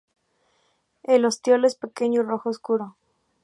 El ostiolo es pequeño y rojo oscuro.